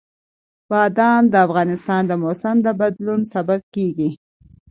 بادام د افغانستان د موسم د بدلون سبب کېږي.